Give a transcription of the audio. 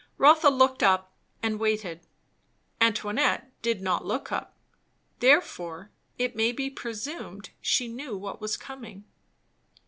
Rotha looked up and waited; Antoinette did not look up; therefore it may be presumed she knew what was coming.